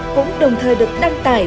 cũng đồng thời được đăng tải